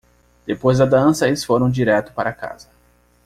Depois da dança, eles foram direto para casa.